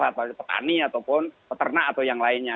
atau petani ataupun peternak atau yang lainnya